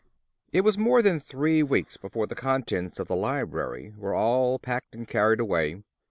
It was more than three weeks before the contents of the library were all packed and carried away.